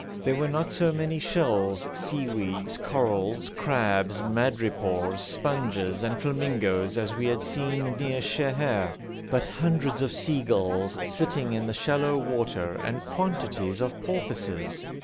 There were not so many shells, seaweeds, corals, crabs, madrepores, sponges, and flamingoes as we had seen near Sheher, but hundreds of seagulls sitting in the shallow water, and quantities of porpoises.